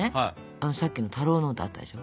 さっきの「たろうノート」あったでしょ。